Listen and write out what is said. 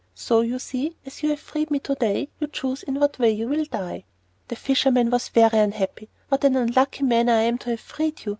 So you see, as you have freed me to day, choose in what way you will die." The fisherman was very unhappy. "What an unlucky man I am to have freed you!